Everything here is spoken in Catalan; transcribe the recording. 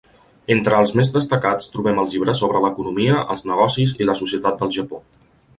Entre els més destacats trobem els llibres sobre l'economia, els negocis i la societat del Japó.